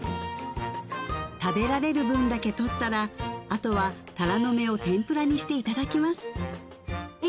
食べられる分だけとったらあとはタラの芽を天ぷらにしていただきます